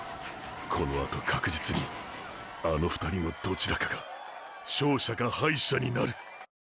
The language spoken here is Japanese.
このあと確実にあの２人のどちらかが勝者か敗者になる！！